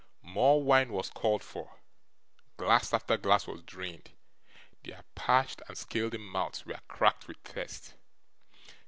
More wine was called for, glass after glass was drained, their parched and scalding mouths were cracked with thirst.